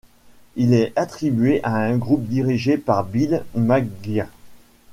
Il est attribué à un groupe dirigé par Bill McGuire.